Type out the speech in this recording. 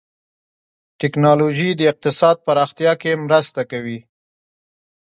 ټکنالوجي د اقتصاد پراختیا کې مرسته کوي.